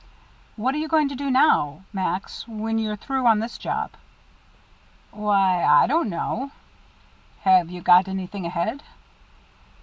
"What are you going to do now, Max when you're through on this job?" "Why I don't know " "Have you got anything ahead?"